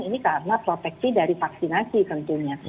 ini karena proteksi dari vaksinasi tentunya